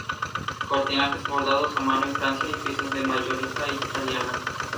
Cortinajes bordados a mano en Francia y pisos de mayólica italiana.